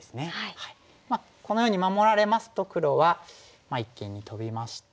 このように守られますと黒は一間にトビまして。